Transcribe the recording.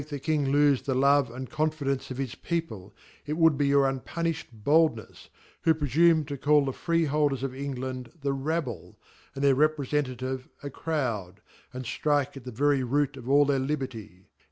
the King Iofe> the love and confi dence of his ' people x it ivpuld be your unpuntfad boldnefs x who pr^fume to call the Freeholders of friend the Pubble , and their ^prekntative a €rowd y andftrike at the very Root' cf alt their Liberty.